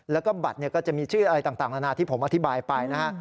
แล้วก็บัตรก็จะมีชื่ออะไรต่างนานาที่ผมอธิบายไปนะฮะ